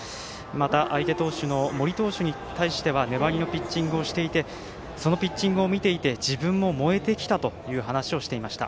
また相手投手の森投手に対しては粘りのピッチングをしていてそのピッチングを見ていて自分も燃えてきたという話をしていました。